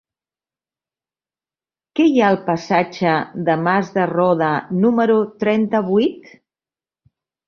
Què hi ha al passatge de Mas de Roda número trenta-vuit?